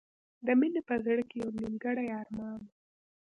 د مینې په زړه کې یو نیمګړی ارمان و